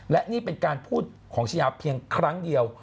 และนี่เป็นการพูดของชายาเพียงครั้งเดียว